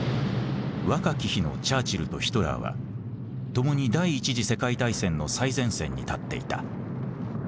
若き日のチャーチルとヒトラーはともに第一次世界大戦の最前線に立っていた。